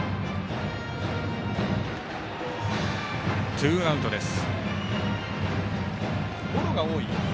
ツーアウトです。